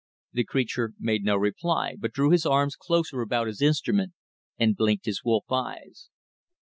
The creature made no reply, but drew his arms closer about his instrument, and blinked his wolf eyes.